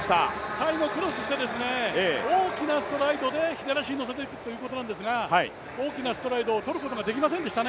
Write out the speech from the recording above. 最後、クロスして大きなストライドで左足にのせていくんですが、大きなストライドをとることができませんでした。